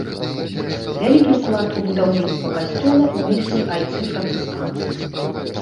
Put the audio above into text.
Вялікі ўклад у будаўніцтва касцёла ўнеслі айцы францысканцы.